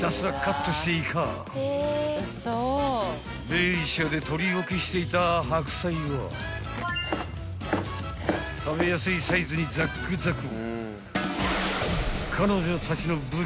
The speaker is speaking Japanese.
［ベイシアで取り置きしていた白菜は食べやすいサイズにザックザク］